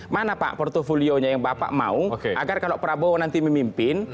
mana pak portfolionya yang bapak mau agar kalau prabowo nanti memimpin